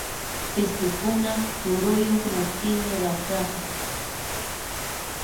Pisqukunap phuruyuq makinmi rapraqa.